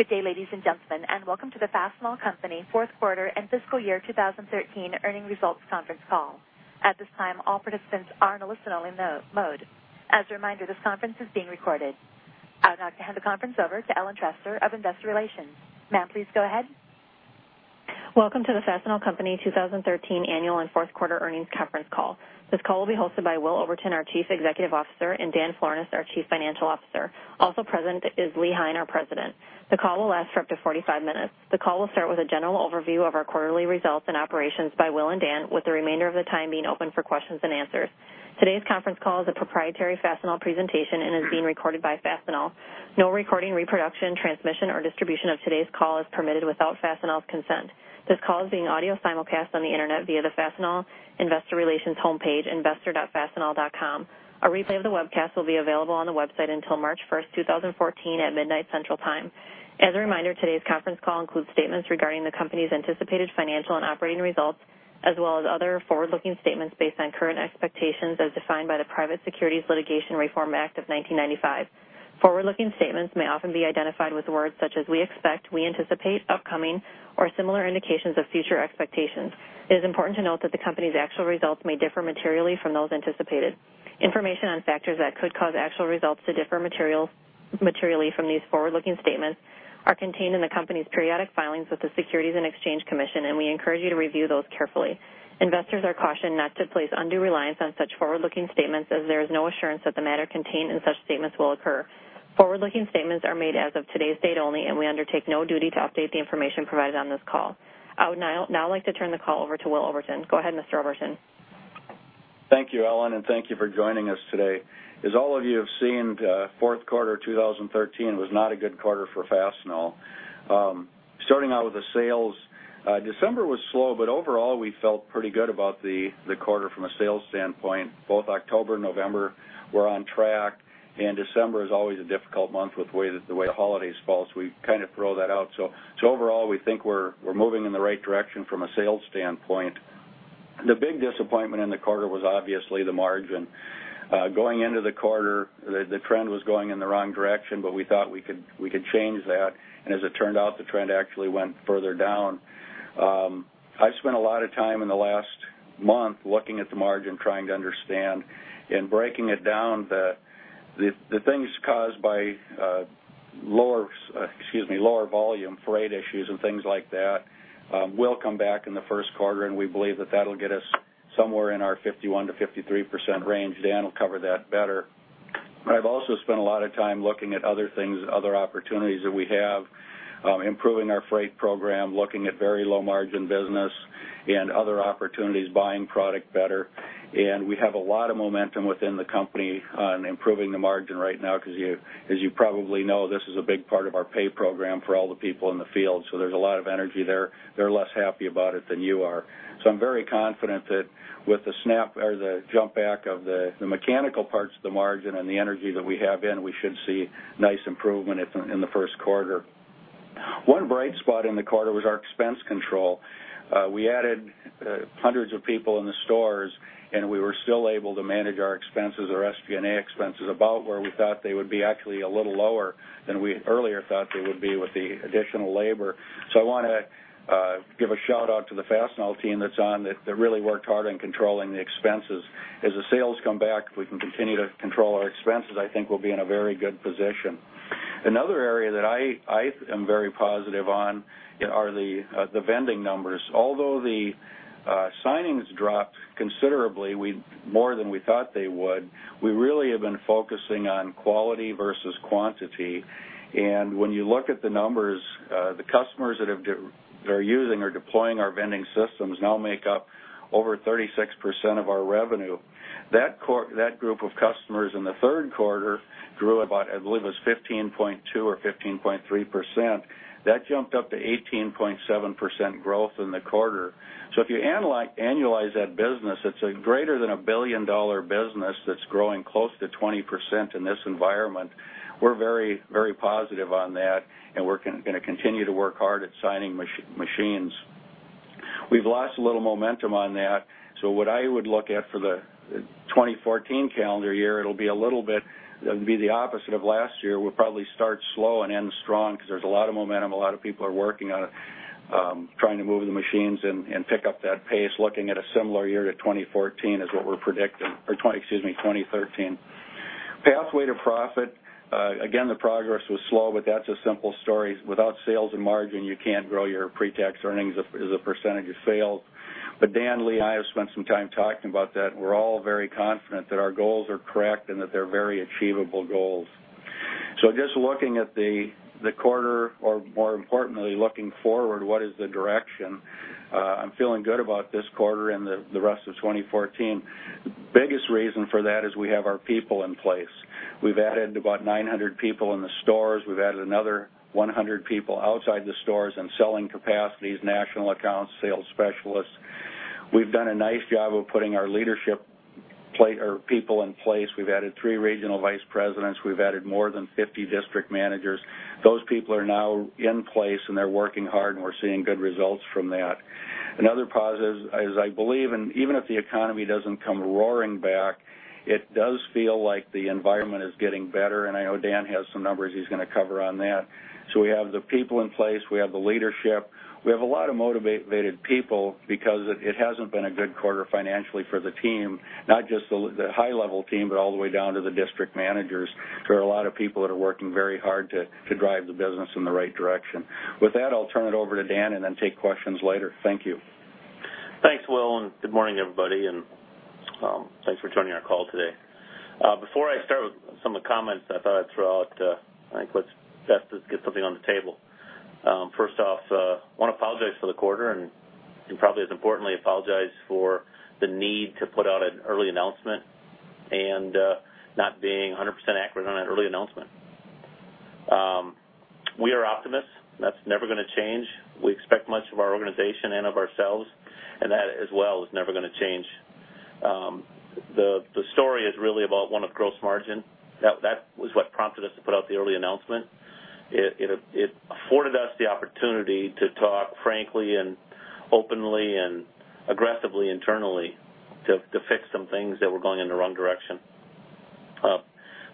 Good day, ladies and gentlemen, welcome to the Fastenal Company fourth quarter and fiscal year 2013 earnings results conference call. At this time, all participants are in listen-only mode. As a reminder, this conference is being recorded. I would now like to hand the conference over to Ellen Trester of Investor Relations. Ma'am, please go ahead. Welcome to the Fastenal Company 2013 annual and fourth quarter earnings conference call. This call will be hosted by Will Oberton, our Chief Executive Officer, and Dan Florness, our Chief Financial Officer. Also present is Lee Hein, our President. The call will last for up to 45 minutes. The call will start with a general overview of our quarterly results and operations by Will and Dan, with the remainder of the time being open for questions and answers. Today's conference call is a proprietary Fastenal presentation and is being recorded by Fastenal. No recording, reproduction, transmission, or distribution of today's call is permitted without Fastenal's consent. This call is being audio simulcast on the Internet via the Fastenal investor relations homepage, investor.fastenal.com. A replay of the webcast will be available on the website until March 1st, 2014, at midnight Central Time. As a reminder, today's conference call includes statements regarding the company's anticipated financial and operating results, as well as other forward-looking statements based on current expectations as defined by the Private Securities Litigation Reform Act of 1995. Forward-looking statements may often be identified with words such as "we expect," "we anticipate," "upcoming," or similar indications of future expectations. It is important to note that the company's actual results may differ materially from those anticipated. Information on factors that could cause actual results to differ materially from these forward-looking statements are contained in the company's periodic filings with the Securities and Exchange Commission, we encourage you to review those carefully. Investors are cautioned not to place undue reliance on such forward-looking statements as there is no assurance that the matter contained in such statements will occur. Forward-looking statements are made as of today's date only, we undertake no duty to update the information provided on this call. I would now like to turn the call over to Will Oberton. Go ahead, Mr. Oberton. Thank you, Ellen, and thank you for joining us today. As all of you have seen, fourth quarter 2013 was not a good quarter for Fastenal. Overall, we felt pretty good about the quarter from a sales standpoint. Both October and November were on track, and December is always a difficult month with the way the holidays fall, so we kind of throw that out. Overall, we think we're moving in the right direction from a sales standpoint. The big disappointment in the quarter was obviously the margin. Going into the quarter, the trend was going in the wrong direction. We thought we could change that, and as it turned out, the trend actually went further down. I've spent a lot of time in the last month looking at the margin, trying to understand and breaking it down that the things caused by lower volume, freight issues, and things like that will come back in the first quarter, and we believe that that'll get us somewhere in our 51%-53% range. Dan will cover that better. I've also spent a lot of time looking at other things, other opportunities that we have, improving our freight program, looking at very low-margin business and other opportunities, buying product better. We have a lot of momentum within the company on improving the margin right now, because as you probably know, this is a big part of our pay program for all the people in the field. There's a lot of energy there. They're less happy about it than you are. I'm very confident that with the jump back of the mechanical parts of the margin and the energy that we have in, we should see nice improvement in the first quarter. One bright spot in the quarter was our expense control. We added hundreds of people in the stores, and we were still able to manage our expenses, our SG&A expenses, about where we thought they would be, actually a little lower than we earlier thought they would be with the additional labor. I want to give a shout-out to the Fastenal team that's on that really worked hard on controlling the expenses. As the sales come back, if we can continue to control our expenses, I think we'll be in a very good position. Another area that I am very positive on are the vending numbers. Although the signings dropped considerably, more than we thought they would, we really have been focusing on quality versus quantity, and when you look at the numbers, the customers that are using or deploying our vending systems now make up over 36% of our revenue. That group of customers in the third quarter grew about, I believe, it was 15.2% or 15.3%. That jumped up to 18.7% growth in the quarter. If you annualize that business, it's a greater than a billion-dollar business that's growing close to 20% in this environment. We're very positive on that, and we're going to continue to work hard at signing machines. We've lost a little momentum on that. That would be the opposite of last year. We'll probably start slow and end strong because there's a lot of momentum. A lot of people are working on it, trying to move the machines and pick up that pace. Looking at a similar year to 2014 is what we're predicting. Excuse me, 2013. Pathway to profit. Again, the progress was slow, but that's a simple story. Without sales and margin, you can't grow your pre-tax earnings as a percentage of sales. Dan, Lee, I have spent some time talking about that. We're all very confident that our goals are correct and that they're very achievable goals. Just looking at the quarter, or more importantly, looking forward, what is the direction? I'm feeling good about this quarter and the rest of 2014. The biggest reason for that is we have our people in place. We've added about 900 people in the stores. We've added another 100 people outside the stores in selling capacities, national accounts, sales specialists. We've done a nice job of putting our leadership people in place. We've added three regional vice presidents. We've added more than 50 district managers. Those people are now in place, and they're working hard, and we're seeing good results from that. Another positive is I believe, and even if the economy doesn't come roaring back, it does feel like the environment is getting better, and I know Dan has some numbers he's going to cover on that. We have the people in place, we have the leadership. We have a lot of motivated people because it hasn't been a good quarter financially for the team, not just the high-level team, but all the way down to the district managers. There are a lot of people that are working very hard to drive the business in the right direction. With that, I'll turn it over to Dan and then take questions later. Thank you. Thanks, Will, good morning, everybody, and thanks for joining our call today. Before I start with some of the comments, I thought I'd throw out, I think what's best is get something on the table. First off, I want to apologize for the quarter and probably as importantly, apologize for the need to put out an early announcement and not being 100% accurate on that early announcement. We are optimists. That's never going to change. We expect much of our organization and of ourselves, and that as well is never going to change. The story is really about one of gross margin. That was what prompted us to put out the early announcement. It afforded us the opportunity to talk frankly and openly and aggressively internally to fix some things that were going in the wrong direction.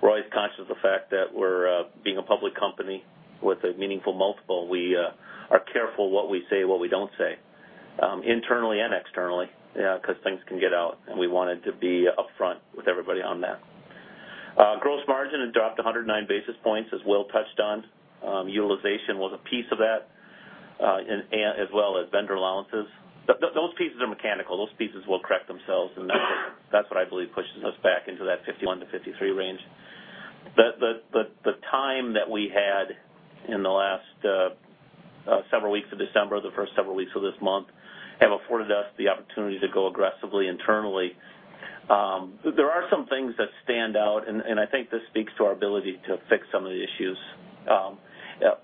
We're always conscious of the fact that we're being a public company with a meaningful multiple. We are careful what we say and what we don't say, internally and externally, because things can get out, and we wanted to be upfront with everybody on that. Gross margin had dropped 109 basis points, as Will touched on. Utilization was a piece of that, as well as vendor allowances. Those pieces are mechanical. Those pieces will correct themselves, and that's what I believe pushes us back into that 51-53 range. The time that we had in the last several weeks of December, the first several weeks of this month, have afforded us the opportunity to go aggressively internally. There are some things that stand out, and I think this speaks to our ability to fix some of the issues.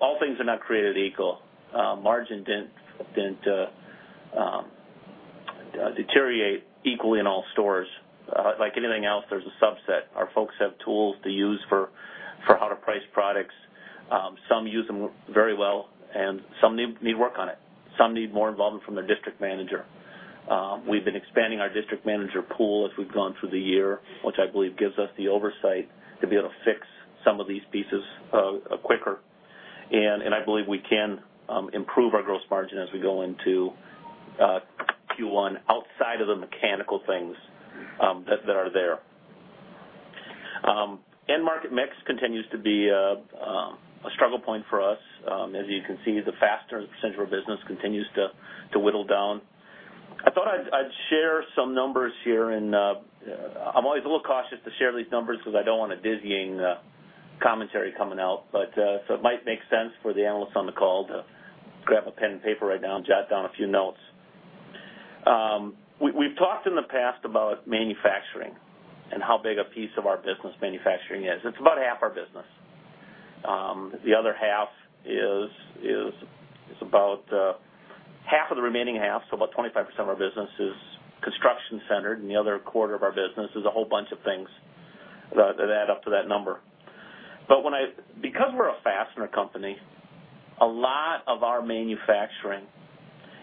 All things are not created equal. Margin didn't deteriorate equally in all stores. Like anything else, there's a subset. Our folks have tools to use for how to price products. Some use them very well, and some need work on it. Some need more involvement from their district manager. We've been expanding our district manager pool as we've gone through the year, which I believe gives us the oversight to be able to fix some of these pieces quicker. I believe we can improve our gross margin as we go into Q1 outside of the mechanical things that are there. End market mix continues to be a struggle point for us. As you can see, the fastener percentage of our business continues to whittle down. I thought I'd share some numbers here, and I'm always a little cautious to share these numbers because I don't want a dizzying commentary coming out. It might make sense for the analysts on the call to grab a pen and paper right now and jot down a few notes. We've talked in the past about manufacturing and how big a piece of our business manufacturing is. It's about half our business. The other half is about half of the remaining half, so about 25% of our business is construction-centered, and the other quarter of our business is a whole bunch of things that add up to that number. Because we're a fastener company, a lot of our manufacturing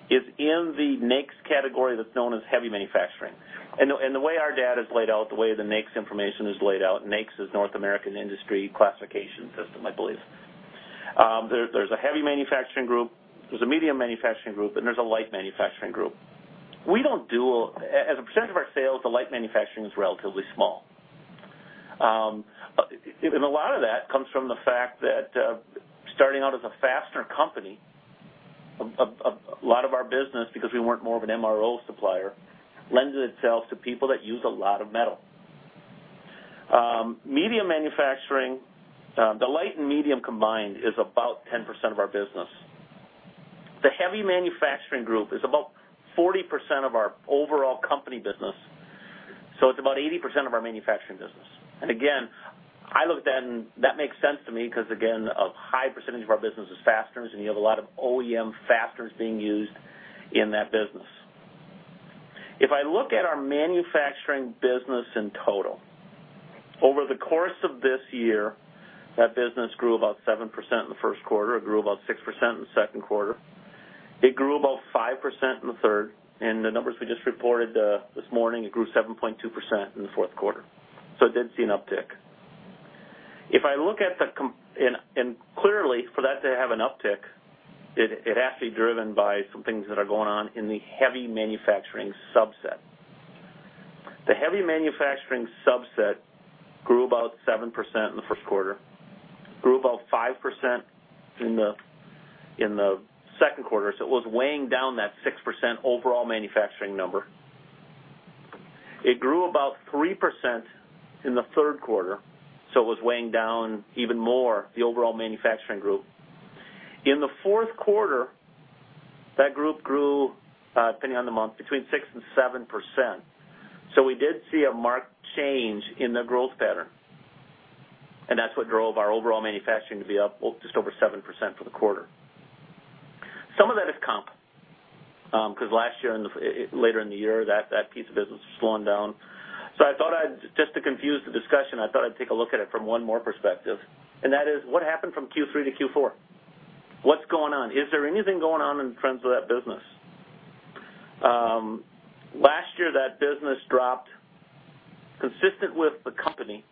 is in the NAICS category that's known as heavy manufacturing. The way our data is laid out, the way the NAICS information is laid out, NAICS is North American Industry Classification System, I believe. There's a heavy manufacturing group, there's a medium manufacturing group, and there's a light manufacturing group. As a percent of our sales, the light manufacturing is relatively small. A lot of that comes from the fact that starting out as a fastener company, a lot of our business, because we weren't more of an MRO supplier, lends itself to people that use a lot of metal. Medium manufacturing, the light and medium combined is about 10% of our business. The heavy manufacturing group is about 40% of our overall company business, so it's about 80% of our manufacturing business. Again, that makes sense to me because, again, a high percentage of our business is fasteners, and you have a lot of OEM fasteners being used in that business. If I look at our manufacturing business in total, over the course of this year, that business grew about 7% in the first quarter. It grew about 6% in the second quarter. It grew about 5% in the third, and the numbers we just reported this morning, it grew 7.2% in the fourth quarter. It did see an uptick. Clearly, for that to have an uptick, it has to be driven by some things that are going on in the heavy manufacturing subset. The heavy manufacturing subset grew about 7% in the first quarter, grew about 5% in the second quarter, so it was weighing down that 6% overall manufacturing number. It grew about 3% in the third quarter, so it was weighing down even more the overall manufacturing group. In the fourth quarter, that group grew, depending on the month, between 6% and 7%. We did see a marked change in the growth pattern, and that's what drove our overall manufacturing to be up just over 7% for the quarter. Some of that is comp, because last year, later in the year, that piece of business was slowing down. I thought just to confuse the discussion, I thought I'd take a look at it from one more perspective, and that is what happened from Q3 to Q4. What's going on? Is there anything going on in trends of that business? Last year, that business dropped consistent with the company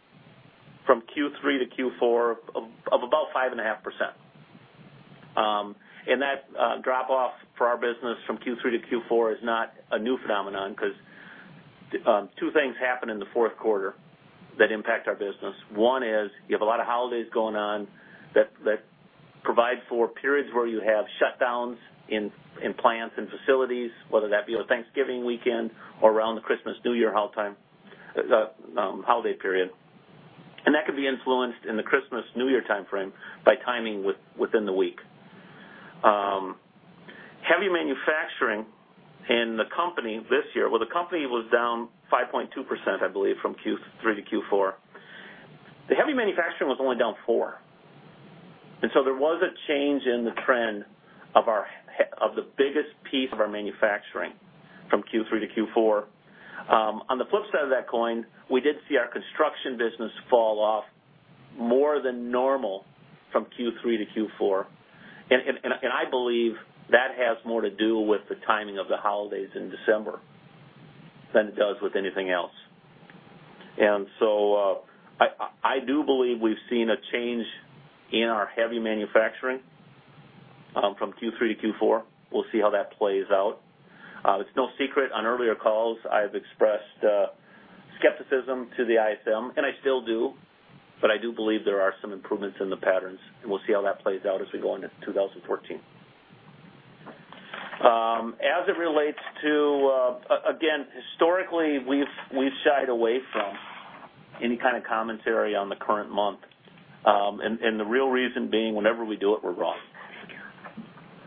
from Q3 to Q4 of about 5.5%. That drop off for our business from Q3 to Q4 is not a new phenomenon because two things happen in the fourth quarter that impact our business. One is you have a lot of holidays going on that provide for periods where you have shutdowns in plants and facilities, whether that be on Thanksgiving weekend or around the Christmas, New Year holiday period. That could be influenced in the Christmas, New Year timeframe by timing within the week. Heavy manufacturing in the company this year-- Well, the company was down 5.2%, I believe, from Q3 to Q4. The heavy manufacturing was only down four. There was a change in the trend of the biggest piece of our manufacturing from Q3 to Q4. On the flip side of that coin, we did see our construction business fall off more than normal from Q3 to Q4. I believe that has more to do with the timing of the holidays in December than it does with anything else. I do believe we've seen a change in our heavy manufacturing from Q3 to Q4. We'll see how that plays out. It's no secret. On earlier calls, I've expressed skepticism to the ISM, I still do, but I do believe there are some improvements in the patterns, we'll see how that plays out as we go into 2014. Again, historically, we've shied away from any kind of commentary on the current month, the real reason being whenever we do it, we're wrong.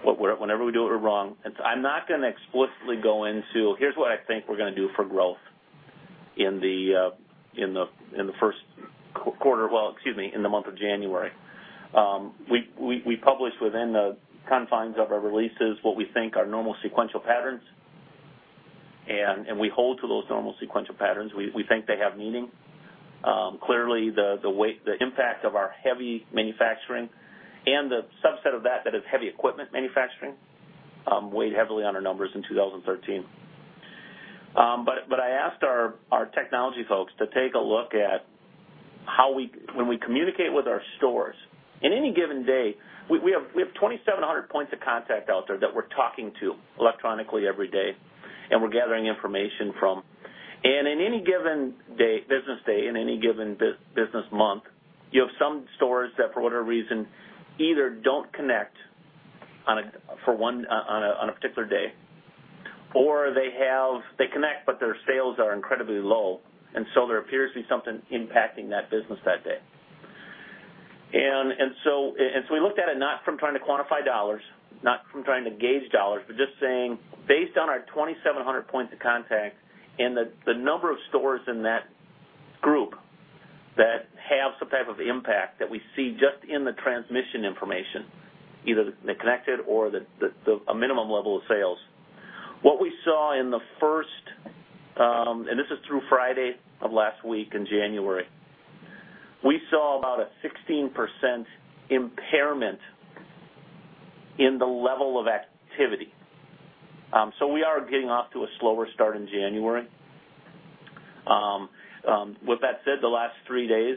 Whenever we do it, we're wrong. I'm not going to explicitly go into, "Here's what I think we're going to do for growth in the month of January." We publish within the confines of our releases what we think are normal sequential patterns, we hold to those normal sequential patterns. We think they have meaning. Clearly, the impact of our heavy manufacturing and the subset of that is heavy equipment manufacturing, weighed heavily on our numbers in 2013. I asked our technology folks to take a look at when we communicate with our stores. In any given day, we have 2,700 points of contact out there that we're talking to electronically every day and we're gathering information from. In any given business day, in any given business month, you have some stores that, for whatever reason, either don't connect on a particular day, or they connect, but their sales are incredibly low, there appears to be something impacting that business that day. We looked at it not from trying to quantify dollars, not from trying to gauge dollars, but just saying, based on our 2,700 points of contact and the number of stores in that group that have some type of impact that we see just in the transmission information, either the connected or a minimum level of sales. We saw in the first, and this is through Friday of last week in January, we saw about a 16% impairment in the level of activity. We are getting off to a slower start in January. With that said, the last three days,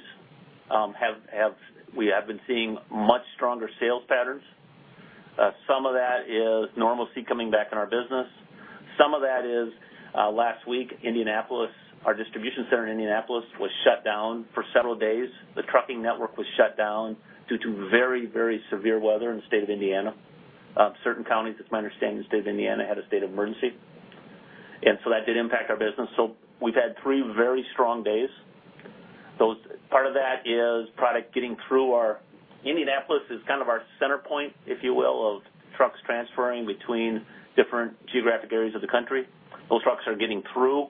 we have been seeing much stronger sales patterns. Some of that is normalcy coming back in our business. Some of that is last week, our distribution center in Indianapolis was shut down for several days. The trucking network was shut down due to very severe weather in the state of Indiana. Certain counties, it's my understanding, the state of Indiana had a state of emergency, that did impact our business. We've had three very strong days. Part of that is product getting through our. Indianapolis is kind of our center point, if you will, of trucks transferring between different geographic areas of the country. Those trucks are getting through,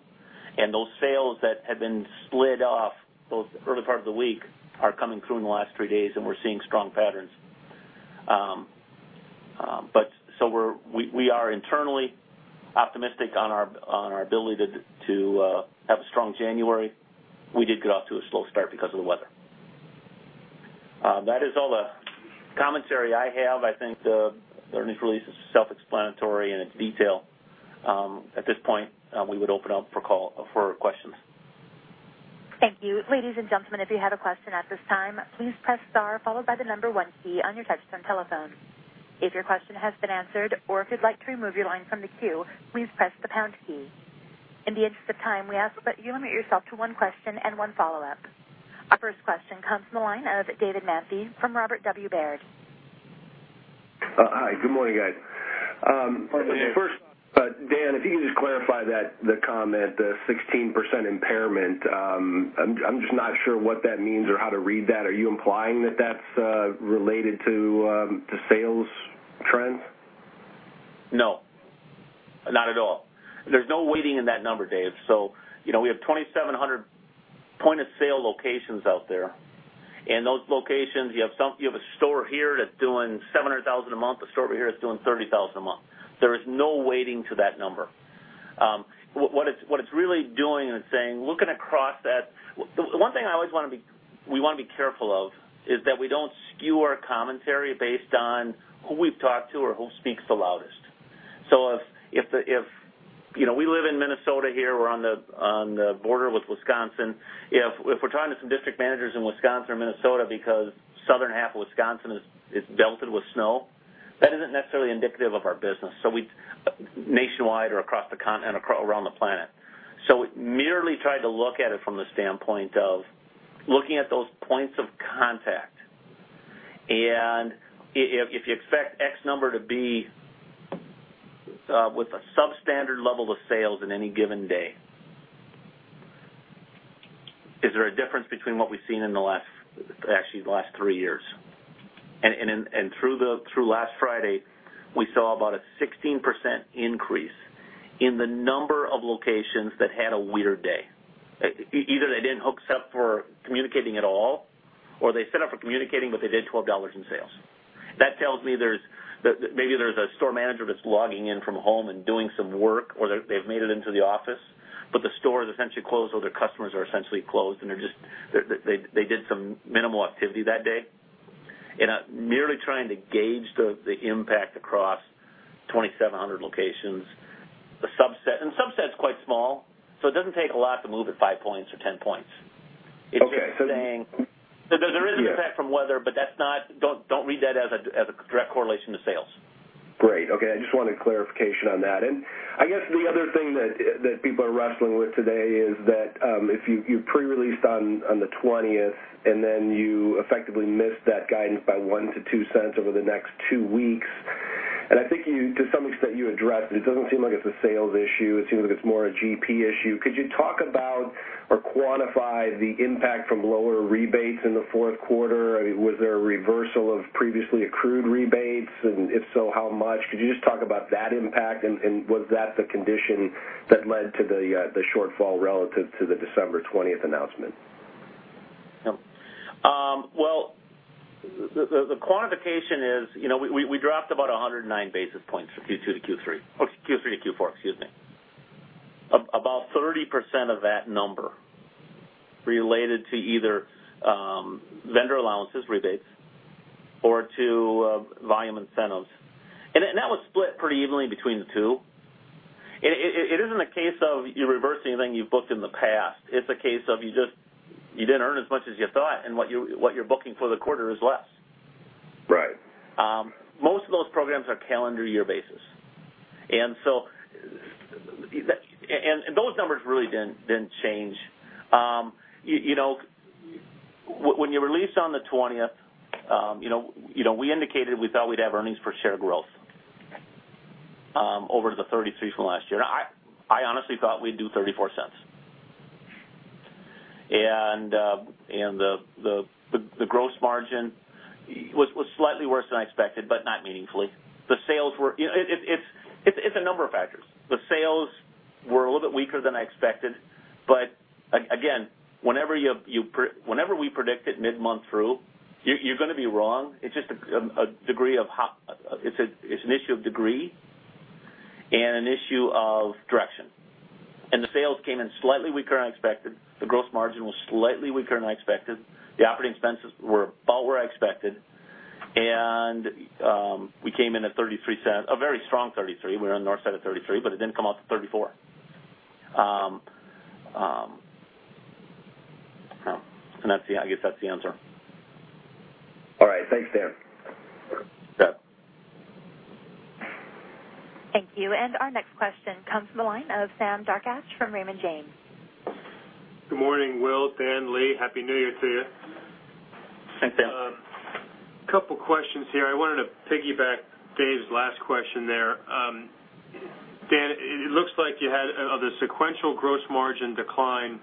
and those sales that had been split off those early part of the week are coming through in the last three days, and we're seeing strong patterns. We are internally optimistic on our ability to have a strong January. We did get off to a slow start because of the weather. That is all the commentary I have. I think the earnings release is self-explanatory in its detail. At this point, we would open up for questions. Thank you. Ladies and gentlemen, if you have a question at this time, please press star followed by the number 1 key on your touch-tone telephone. If your question has been answered or if you'd like to remove your line from the queue, please press the pound key. In the interest of time, we ask that you limit yourself to one question and one follow-up. Our first question comes from the line of David Manthey from Robert W. Baird. Hi. Good morning, guys. Morning, Dave. First, Dan, if you can just clarify the comment, the 16% impairment. I'm just not sure what that means or how to read that. Are you implying that that's related to sales trends? No, not at all. There's no weighting in that number, Dave. We have 2,700 Point of sale locations out there. In those locations, you have a store here that's doing $700,000 a month, a store over here that's doing $30,000 a month. There is no weighting to that number. What it's really doing and saying, looking across that. The one thing we want to be careful of is that we don't skew our commentary based on who we've talked to or who speaks the loudest. We live in Minnesota here, we're on the border with Wisconsin. If we're talking to some district managers in Wisconsin or Minnesota because southern half of Wisconsin is belted with snow, that isn't necessarily indicative of our business nationwide or across the continent, around the planet. Merely tried to look at it from the standpoint of looking at those points of contact. If you expect X number to be with a substandard level of sales in any given day, is there a difference between what we've seen in, actually, the last three years? Through last Friday, we saw about a 16% increase in the number of locations that had a weirder day. Either they didn't hook us up for communicating at all, or they set up for communicating, but they did $12 in sales. That tells me maybe there's a store manager that's logging in from home and doing some work, or they've made it into the office, but the store is essentially closed, or their customers are essentially closed, and they did some minimal activity that day. Merely trying to gauge the impact across 2,700 locations, a subset, and the subset's quite small, so it doesn't take a lot to move it five points or 10 points. Okay. It's just saying there is an impact from weather, but don't read that as a direct correlation to sales. Great. Okay. I just wanted clarification on that. I guess the other thing that people are wrestling with today is that if you pre-released on the 20th, then you effectively missed that guidance by $0.01-$0.02 over the next two weeks, and I think to some extent you addressed it doesn't seem like it's a sales issue. It seems like it's more a GP issue. Could you talk about or quantify the impact from lower rebates in the fourth quarter? Was there a reversal of previously accrued rebates, and if so, how much? Could you just talk about that impact, and was that the condition that led to the shortfall relative to the December 20th announcement? The quantification is we dropped about 109 basis points for Q2 to Q3. Q3 to Q4, excuse me. About 30% of that number related to either vendor allowances, rebates, or to volume incentives. That was split pretty evenly between the two. It isn't a case of you reversing anything you've booked in the past. It's a case of you didn't earn as much as you thought, and what you're booking for the quarter is less. Right. Most of those programs are calendar year basis. Those numbers really didn't change. When you released on the 20th, we indicated we thought we'd have earnings per share growth over the $0.33 from last year. I honestly thought we'd do $0.34. The gross margin was slightly worse than I expected, but not meaningfully. It's a number of factors. The sales were a little bit weaker than I expected. Again, whenever we predict it mid-month through, you're going to be wrong. It's an issue of degree and an issue of direction. The sales came in slightly weaker than I expected. The gross margin was slightly weaker than I expected. The operating expenses were about where I expected. We came in at $0.33, a very strong $0.33. We were on the north side of $0.33, but it didn't come out to $0.34. I guess that's the answer. All right. Thanks, Dan. Yep. Thank you. Our next question comes from the line of Sam Darkatsh from Raymond James. Good morning, Will, Dan, Lee. Happy New Year to you. Thanks, Sam. A couple of questions here. I wanted to piggyback Dave's last question there. Dan, it looks like you had the sequential gross margin decline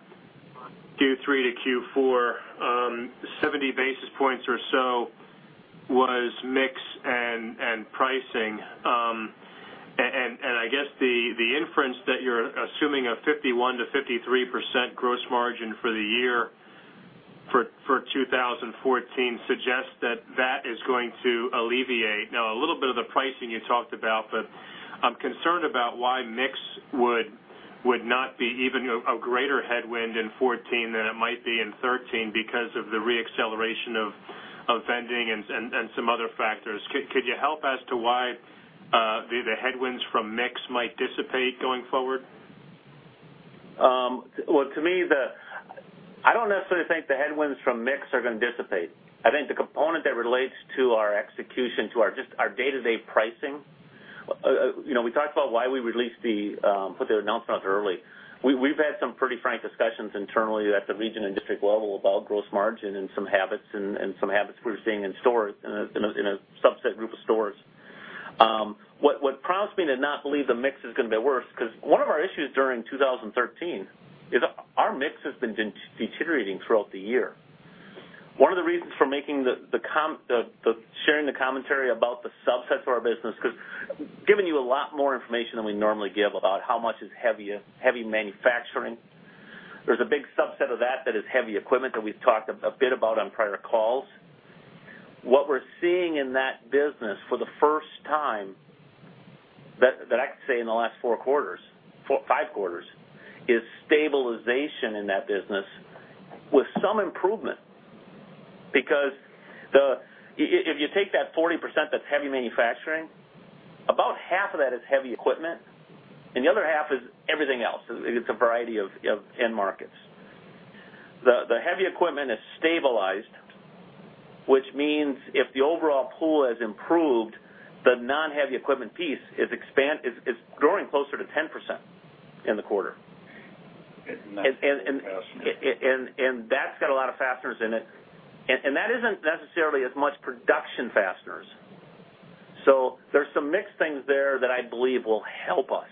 Q3 to Q4, 70 basis points or so was mix and pricing. I guess the inference that you're assuming a 51%-53% gross margin for the year for 2014 suggests that that is going to alleviate. A little bit of the pricing you talked about, I'm concerned about why mix would not be even a greater headwind in 2014 than it might be in 2013 because of the re-acceleration of vending and some other factors. Could you help as to why the headwinds from mix might dissipate going forward? Well, to me, I don't necessarily think the headwinds from mix are going to dissipate. I think the component that relates to our execution, to just our day-to-day pricing, we talked about why we put the announcements early. We've had some pretty frank discussions internally at the region and district level about gross margin and some habits we're seeing in a subset group of stores. What prompts me to not believe the mix is going to be worse, because one of our issues during 2013 is our mix has been deteriorating throughout the year. One of the reasons for sharing the commentary about the subsets of our business, because giving you a lot more information than we normally give about how much is heavy manufacturing. There's a big subset of that is heavy equipment that we've talked a bit about on prior calls. What we're seeing in that business for the first time, that I can say in the last four quarters, five quarters, is stabilization in that business with some improvement. If you take that 40% that's heavy manufacturing, about half of that is heavy equipment, and the other half is everything else. It's a variety of end markets. The heavy equipment has stabilized, which means if the overall pool has improved, the non-heavy equipment piece is growing closer to 10% in the quarter. Fasteners. That's got a lot of fasteners in it. That isn't necessarily as much production fasteners. There's some mixed things there that I believe will help us.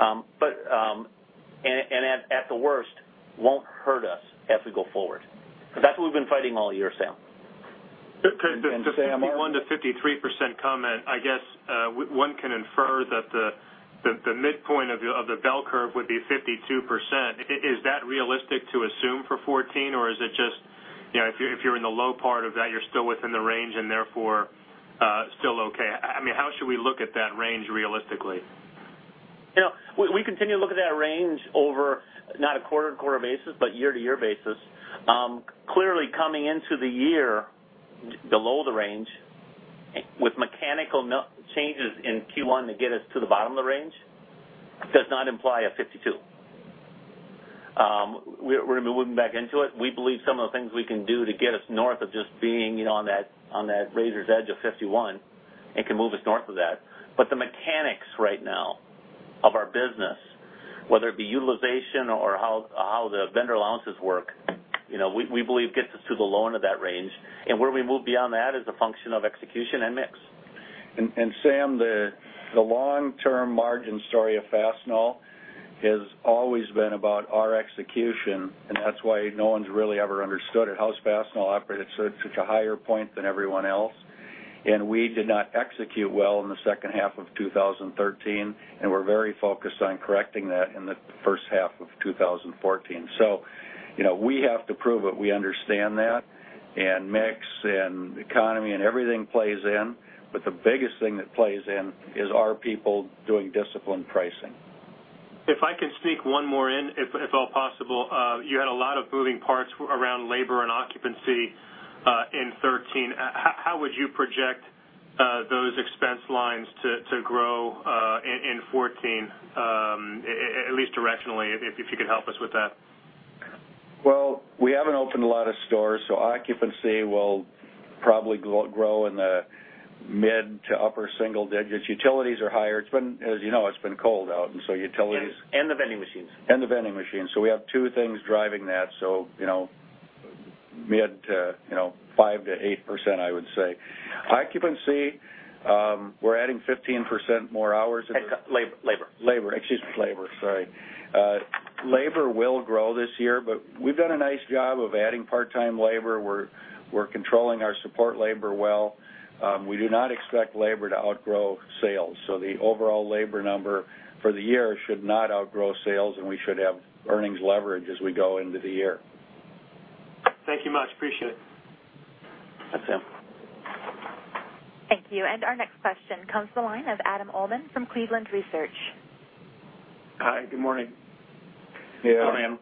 At the worst, won't hurt us as we go forward. That's what we've been fighting all year, Sam. Just the 51%-53% comment, I guess one can infer that the midpoint of the bell curve would be 52%. Is that realistic to assume for 2014? Is it just if you're in the low part of that, you're still within the range and therefore, still okay? How should we look at that range realistically? We continue to look at that range over not a quarter-on-quarter basis, but year-to-year basis. Clearly, coming into the year below the range with mechanical changes in Q1 to get us to the bottom of the range, does not imply a 52. We're moving back into it. We believe some of the things we can do to get us north of just being on that razor's edge of 51, it can move us north of that. The mechanics right now of our business, whether it be utilization or how the vendor allowances work, we believe gets us to the low end of that range. Where we move beyond that is a function of execution and mix. Sam, the long-term margin story of Fastenal has always been about our execution, and that's why no one's really ever understood it, how Fastenal operated at such a higher point than everyone else. We did not execute well in the second half of 2013, and we're very focused on correcting that in the first half of 2014. We have to prove that we understand that, mix and economy and everything plays in, but the biggest thing that plays in is our people doing disciplined pricing. If I can sneak one more in, if at all possible. You had a lot of moving parts around labor and occupancy in 2013. How would you project those expense lines to grow in 2014, at least directionally, if you could help us with that? We haven't opened a lot of stores, occupancy will probably grow in the mid to upper single digits. Utilities are higher. As you know, it's been cold out, utilities. The vending machines. The vending machines. We have two things driving that. Mid 5%-8%, I would say. Occupancy, we're adding 15% more hours. Labor. Labor. Excuse me, labor. Sorry. Labor will grow this year, but we've done a nice job of adding part-time labor. We're controlling our support labor well. We do not expect labor to outgrow sales. The overall labor number for the year should not outgrow sales, and we should have earnings leverage as we go into the year. Thank you much. Appreciate it. That's him. Thank you. Our next question comes to the line of Adam Uhlman from Cleveland Research. Hi, good morning. Yeah. Good morning, Adam.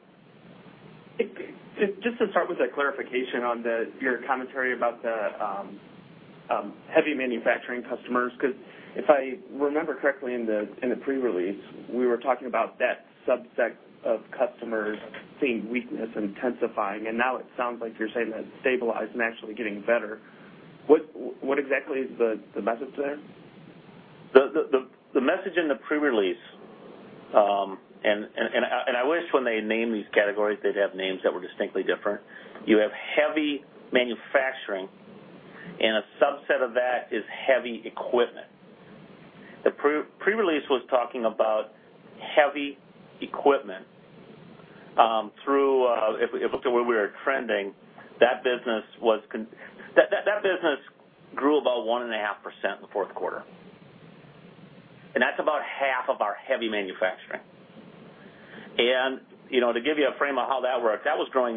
Just to start with a clarification on your commentary about the heavy manufacturing customers, because if I remember correctly in the pre-release, we were talking about that subset of customers seeing weakness intensifying, and now it sounds like you're saying that it's stabilized and actually getting better. What exactly is the message there? The message in the pre-release, and I wish when they name these categories, they'd have names that were distinctly different. You have heavy manufacturing, and a subset of that is heavy equipment. The pre-release was talking about heavy equipment. If we look to where we were trending, that business grew about 1.5% in the fourth quarter. That's about half of our heavy manufacturing. To give you a frame of how that works, that was growing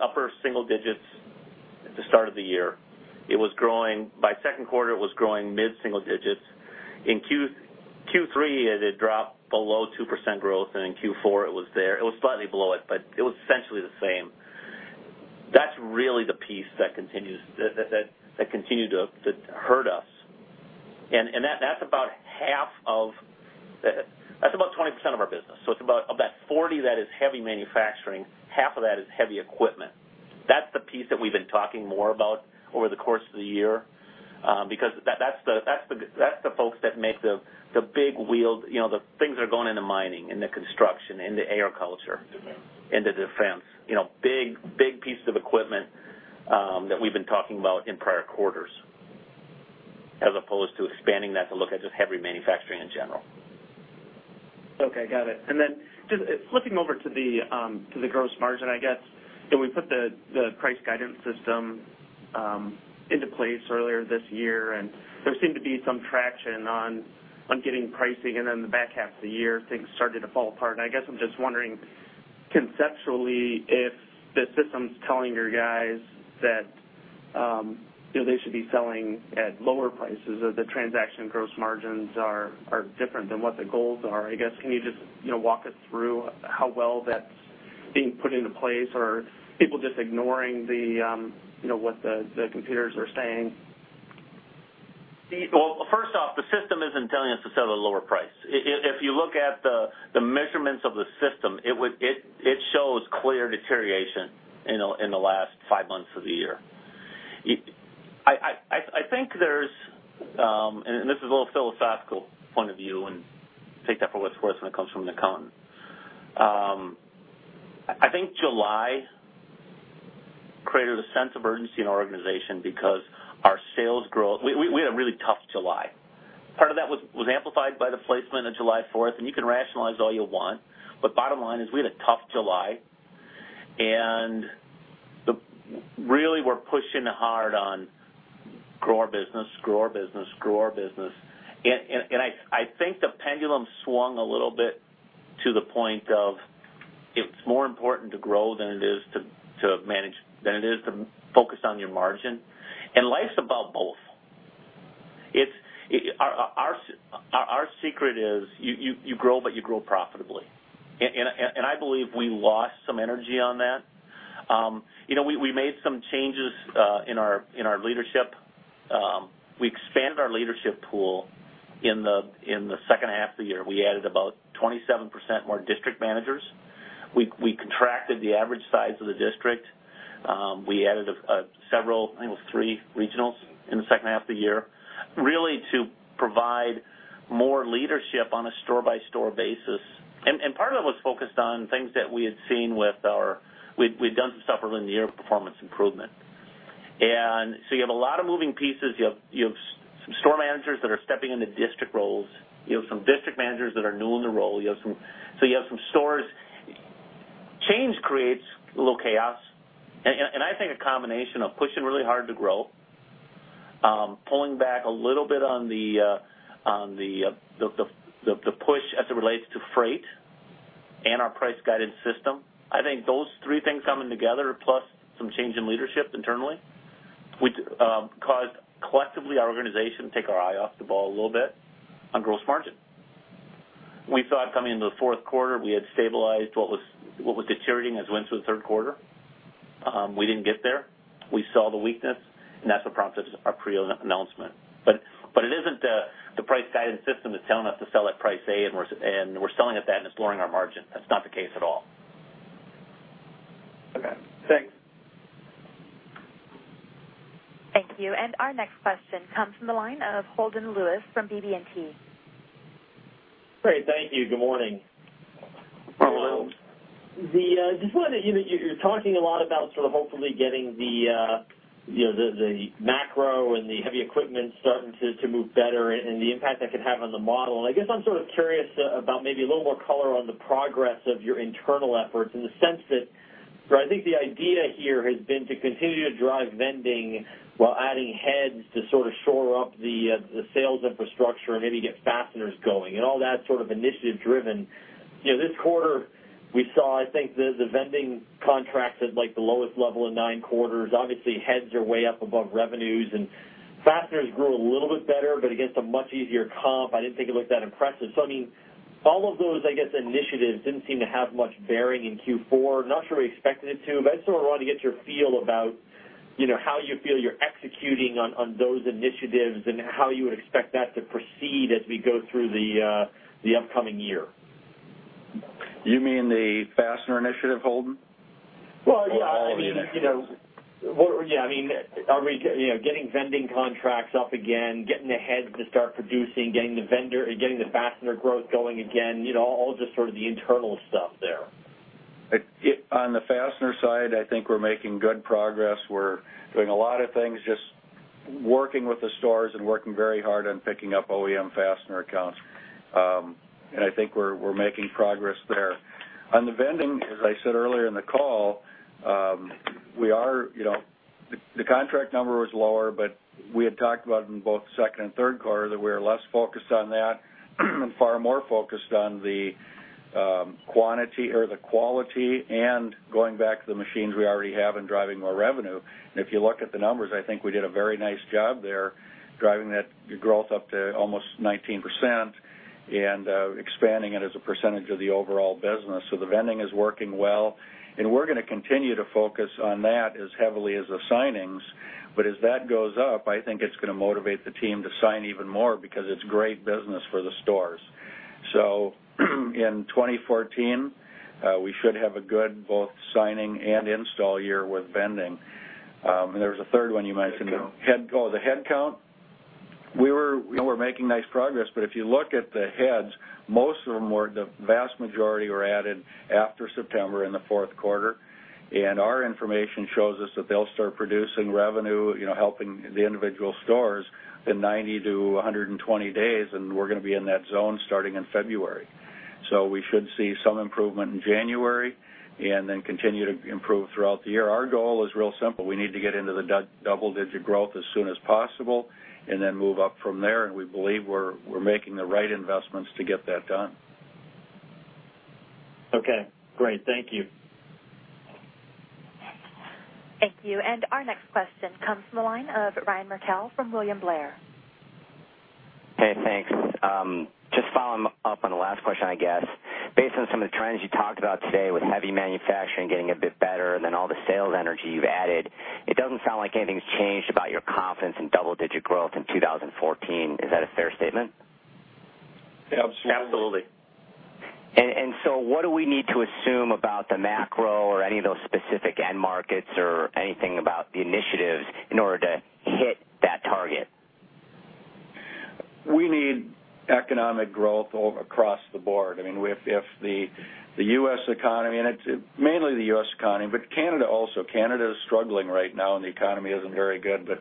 upper single digits at the start of the year. By second quarter, it was growing mid-single digits. In Q3, it had dropped below 2% growth, and in Q4 it was there. It was slightly below it, but it was essentially the same. That's really the piece that continued to hurt us. That's about 20% of our business. Of that 40 that is heavy manufacturing, half of that is heavy equipment. That's the piece that we've been talking more about over the course of the year. That's the folks that make the big wheel, the things that are going into mining, into construction, into agriculture. Defense. Into defense. Big that we've been talking about in prior quarters, as opposed to expanding that to look at just heavy manufacturing in general. Got it. Just flipping over to the gross margin, I guess. We put the price guidance system into place earlier this year, and there seemed to be some traction on getting pricing. In the back half of the year, things started to fall apart. I guess I'm just wondering, conceptually, if the system's telling your guys that they should be selling at lower prices, or the transaction gross margins are different than what the goals are. I guess, can you just walk us through how well that's being put into place? Are people just ignoring what the computers are saying? Well, first off, the system isn't telling us to sell at a lower price. If you look at the measurements of the system, it shows clear deterioration in the last five months of the year. I think there's, this is a little philosophical point of view, and take that for what it's worth when it comes from Nick Hohn. I think July created a sense of urgency in our organization because we had a really tough July. Part of that was amplified by the placement of July 4th, and you can rationalize all you want, but bottom line is, we had a tough July. Really we're pushing hard on grow our business. I think the pendulum swung a little bit to the point of it's more important to grow than it is to focus on your margin. Life's about both. Our secret is you grow, but you grow profitably. I believe we lost some energy on that. We made some changes in our leadership. We expanded our leadership pool in the second half of the year. We added about 27% more district managers. We contracted the average size of the district. We added several, I think it was three regionals in the second half of the year, really to provide more leadership on a store-by-store basis. Part of it was focused on things that We'd done some stuff early in the year with performance improvement. You have a lot of moving pieces. You have some store managers that are stepping into district roles. You have some district managers that are new in the role. You have some stores. Change creates a little chaos. I think a combination of pushing really hard to grow, pulling back a little bit on the push as it relates to freight, and our price guidance system. I think those three things coming together, plus some change in leadership internally, which caused collectively our organization to take our eye off the ball a little bit on gross margin. We saw it coming into the fourth quarter. We had stabilized what was deteriorating as we went through the third quarter. We didn't get there. We saw the weakness. That's what prompted our pre-announcement. It isn't the price guidance system is telling us to sell at price A and we're selling at that and it's lowering our margin. That's not the case at all. Okay, thanks. Thank you. Our next question comes from the line of Holden Lewis from BB&T. Great, thank you. Good morning. Hello. Just wondering, you're talking a lot about sort of hopefully getting the macro and the heavy equipment starting to move better and the impact that could have on the model. I guess I'm sort of curious about maybe a little more color on the progress of your internal efforts in the sense that I think the idea here has been to continue to drive vending while adding heads to sort of shore up the sales infrastructure and maybe get fasteners going and all that sort of initiative driven. This quarter we saw, I think, the vending contracts at, like, the lowest level in nine quarters. Obviously, heads are way up above revenues, and fasteners grew a little bit better, but against a much easier comp. I didn't think it looked that impressive. I mean, all of those initiatives didn't seem to have much bearing in Q4. Not sure we expected it to, but I just sort of wanted to get your feel about how you feel you're executing on those initiatives and how you would expect that to proceed as we go through the upcoming year. You mean the fastener initiative, Holden? Well, yeah. All of the initiatives? Yeah. Getting vending contracts up again, getting the heads to start producing, getting the fastener growth going again, all just sort of the internal stuff there. On the fastener side, I think we're making good progress. We're doing a lot of things, just working with the stores and working very hard on picking up OEM fastener accounts, and I think we're making progress there. On the vending, as I said earlier in the call, the contract number was lower, but we had talked about in both second and third quarter that we were less focused on that and far more focused on the quality and going back to the machines we already have and driving more revenue. If you look at the numbers, I think we did a very nice job there, driving that growth up to almost 19% and expanding it as a percentage of the overall business. The vending is working well, and we're going to continue to focus on that as heavily as the signings. As that goes up, I think it's going to motivate the team to sign even more because it's great business for the stores. In 2014, we should have a good both signing and install year with vending. There was a third one you mentioned. Headcount. The headcount? We're making nice progress, but if you look at the heads, most of them, the vast majority, were added after September in the fourth quarter. Our information shows us that they'll start producing revenue, helping the individual stores in 90 to 120 days, and we're going to be in that zone starting in February. We should see some improvement in January, and then continue to improve throughout the year. Our goal is real simple. We need to get into the double-digit growth as soon as possible and then move up from there, and we believe we're making the right investments to get that done. Okay, great. Thank you. Thank you. Our next question comes from the line of Ryan Merkel from William Blair. Hey, thanks. Just following up on the last question, I guess. Based on some of the trends you talked about today with heavy manufacturing getting a bit better and then all the sales energy you've added, it doesn't sound like anything's changed about your confidence in double-digit growth in 2014. Is that a fair statement? Absolutely. Absolutely. What do we need to assume about the macro or any of those specific end markets or anything about the initiatives in order to hit that target? We need economic growth across the board. If the U.S. economy, and it's mainly the U.S. economy, but Canada also. Canada is struggling right now, and the economy isn't very good, but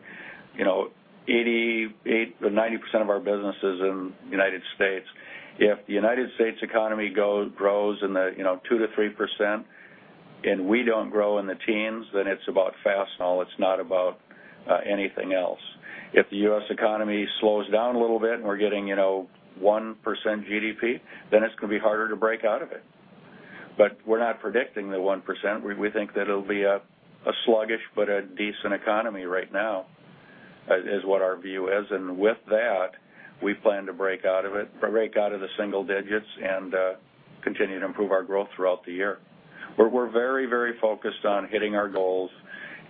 88% or 90% of our business is in the U.S. If the U.S. economy grows in the 2%-3% and we don't grow in the teens, then it's about Fastenal, it's not about anything else. If the U.S. economy slows down a little bit and we're getting 1% GDP, then it's going to be harder to break out of it. We're not predicting the 1%. We think that it'll be a sluggish but a decent economy right now, is what our view is. With that, we plan to break out of the single digits and continue to improve our growth throughout the year. We're very focused on hitting our goals,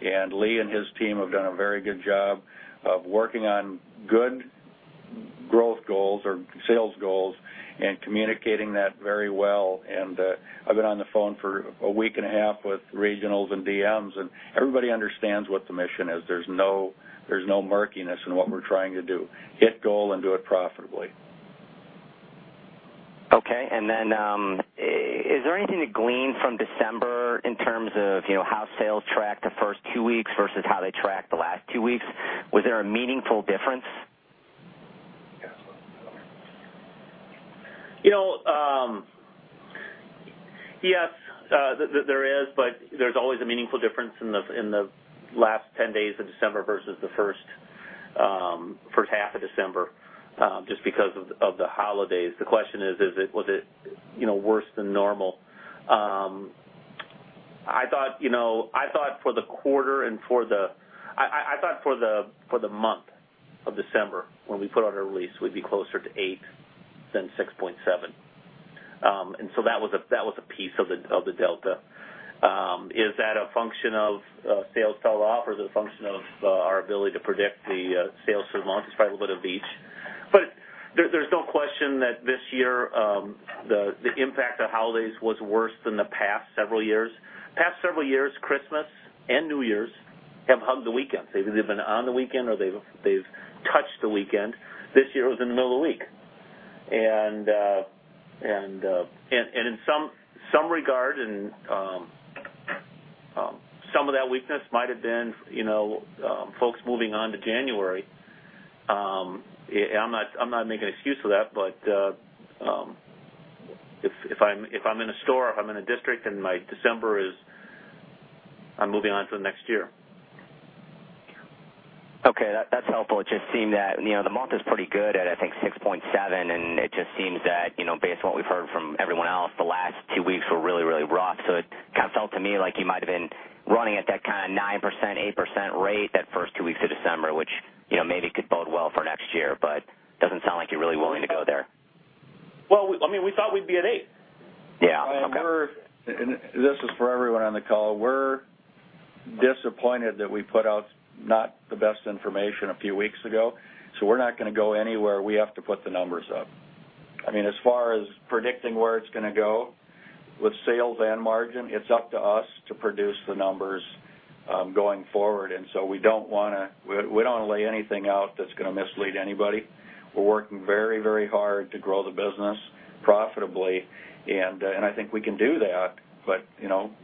and Lee and his team have done a very good job of working on good growth goals or sales goals and communicating that very well. I've been on the phone for a week and a half with regionals and DMs, and everybody understands what the mission is. There's no murkiness in what we're trying to do. Hit goal and do it profitably. Is there anything to glean from December in terms of how sales tracked the first two weeks versus how they tracked the last two weeks? Was there a meaningful difference? Yes, there is. There's always a meaningful difference in the last 10 days of December versus the first half of December, just because of the holidays. The question is: Was it worse than normal? I thought for the month of December, when we put out our release, we'd be closer to eight than 6.7. That was a piece of the delta. Is that a function of sales fell off, or is it a function of our ability to predict the sales through the launch? It's probably a bit of each. There's no question that this year, the impact of holidays was worse than the past several years. Past several years, Christmas and New Year's have hugged the weekend. They've either been on the weekend or they've touched the weekend. This year, it was in the middle of the week. In some regard, some of that weakness might've been folks moving on to January. I'm not making an excuse for that. If I'm in a store or if I'm in a district, then my December is I'm moving on to the next year. Okay. That's helpful. It just seemed that the month is pretty good at, I think, 6.7. It just seems that based on what we've heard from everyone else, the last two weeks were really rough. It kind of felt to me like you might've been running at that kind of 9%, 8% rate that first two weeks of December, which maybe could bode well for next year, but doesn't sound like you're really willing to go there. Well, we thought we'd be at eight. Yeah. Okay. This is for everyone on the call. We're disappointed that we put out not the best information a few weeks ago. We're not going to go anywhere we have to put the numbers up. As far as predicting where it's going to go with sales and margin, it's up to us to produce the numbers going forward. We don't want to lay anything out that's going to mislead anybody. We're working very hard to grow the business profitably, and I think we can do that.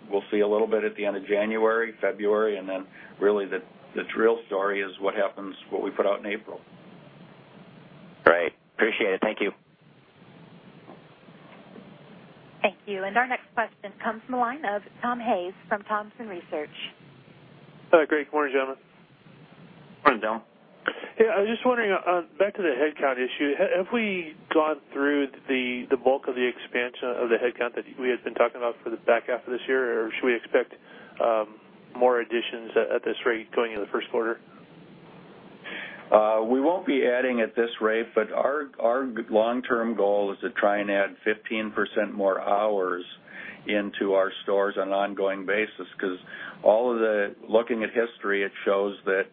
We'll see a little bit at the end of January, February, and then really the real story is what happens, what we put out in April. Right. Appreciate it. Thank you. Thank you. Our next question comes from the line of Tom Hayes from Thompson Research. Great. Good morning, gentlemen. Morning, Tom. Yeah, I was just wondering, back to the headcount issue, have we gone through the bulk of the expansion of the headcount that we had been talking about for the back half of this year, or should we expect more additions at this rate going into the first quarter? We won't be adding at this rate, but our long-term goal is to try and add 15% more hours into our stores on an ongoing basis, because looking at history, it shows that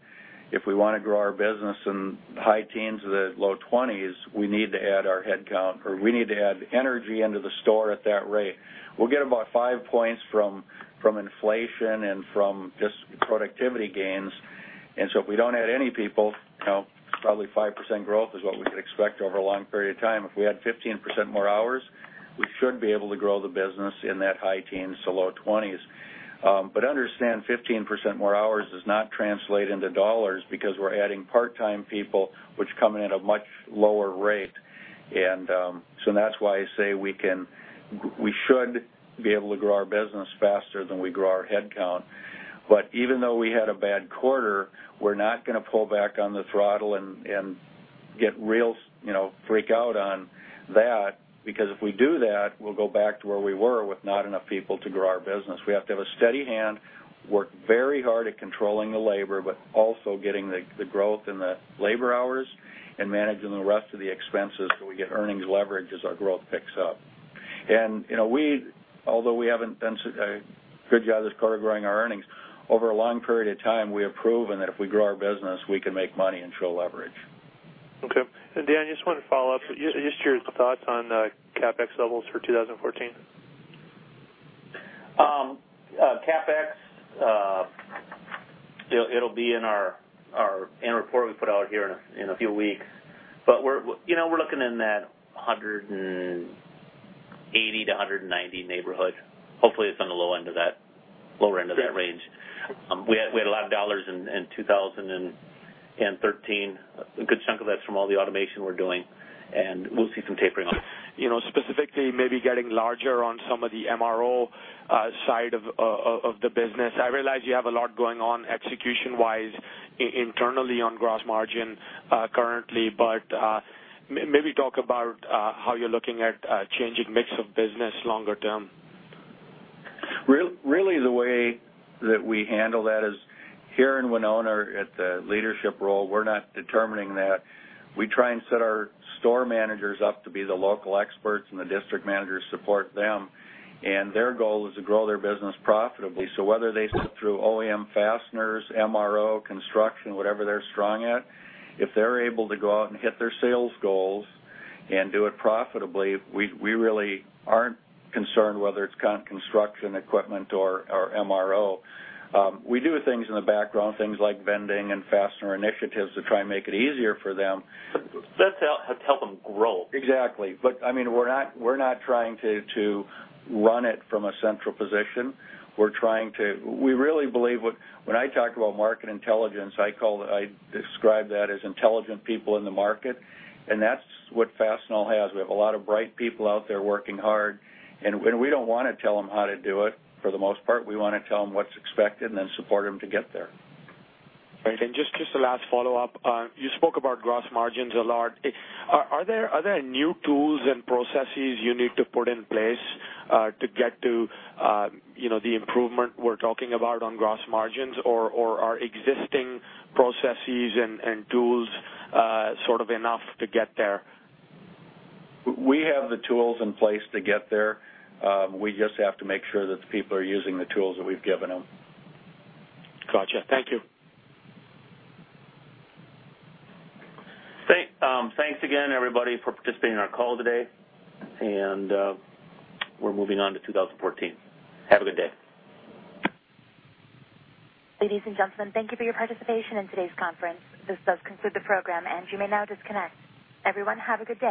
if we want to grow our business in high teens to the low 20s, we need to add our headcount, or we need to add energy into the store at that rate. We'll get about five points from inflation and from just productivity gains. If we don't add any people, probably 5% growth is what we could expect over a long period of time. If we add 15% more hours, we should be able to grow the business in that high teens to low 20s. Understand 15% more hours does not translate into dollars because we're adding part-time people, which come in at a much lower rate. That's why I say we should be able to grow our business faster than we grow our headcount. Even though we had a bad quarter, we're not going to pull back on the throttle and freak out on that, because if we do that, we'll go back to where we were with not enough people to grow our business. We have to have a steady hand, work very hard at controlling the labor, but also getting the growth in the labor hours and managing the rest of the expenses so we get earnings leverage as our growth picks up. Although we haven't done a good job this quarter growing our earnings, over a long period of time, we have proven that if we grow our business, we can make money and show leverage. Okay. Dan, I just want to follow up. Just your thoughts on CapEx levels for 2014. CapEx, it'll be in our annual report we put out here in a few weeks. We're looking in that $180-$190 neighborhood. Hopefully it's on the lower end of that range. We had a lot of dollars in 2013, a good chunk of that's from all the automation we're doing, and we'll see some tapering off. Specifically, maybe getting larger on some of the MRO side of the business. I realize you have a lot going on execution-wise internally on gross margin currently, but maybe talk about how you're looking at changing mix of business longer term. The way that we handle that is here in Winona at the leadership role, we're not determining that. We try and set our store managers up to be the local experts, and the District Managers support them. Their goal is to grow their business profitably. Whether they sit through OEM fasteners, MRO, construction, whatever they're strong at, if they're able to go out and hit their sales goals and do it profitably, we really aren't concerned whether it's construction equipment or MRO. We do things in the background, things like vending and fastener initiatives to try and make it easier for them. That's to help them grow. Exactly. We're not trying to run it from a central position. We really believe when I talk about market intelligence, I describe that as intelligent people in the market, and that's what Fastenal has. We have a lot of bright people out there working hard, and we don't want to tell them how to do it. For the most part, we want to tell them what's expected and then support them to get there. Great. Just a last follow-up. You spoke about gross margins a lot. Are there new tools and processes you need to put in place to get to the improvement we're talking about on gross margins, or are existing processes and tools sort of enough to get there? We have the tools in place to get there. We just have to make sure that the people are using the tools that we've given them. Got you. Thank you. Thanks again, everybody, for participating in our call today. We're moving on to 2014. Have a good day. Ladies and gentlemen, thank you for your participation in today's conference. This does conclude the program, and you may now disconnect. Everyone, have a good day.